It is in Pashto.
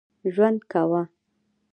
ژوند کاوه.